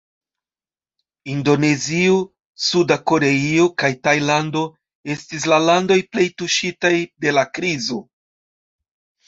Indonezio, Suda Koreio, kaj Tajlando estis la landoj plej tuŝitaj dela krizo.